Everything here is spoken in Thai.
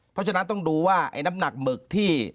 เพราะฉะนั้นต้องดูว่าไอ้น้ำหนักหมึกที่